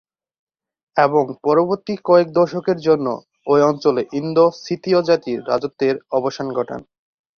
এবং পরবর্তী কয়েক দশকের জন্য ঐ অঞ্চলে ইন্দো-সিথিয় জাতির রাজত্বের অবসান ঘটান।